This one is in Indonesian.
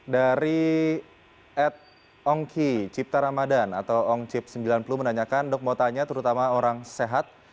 dari ad ongki cipta ramadhan atau ong cip sembilan puluh menanyakan dok mau tanya terutama orang sehat